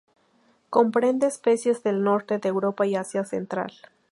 Comprende especies del norte de Europa y Asia central.